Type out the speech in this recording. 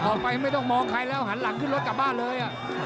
ไปไม่ต้องมองใครแล้วหันหลังขึ้นรถกลับบ้านเลย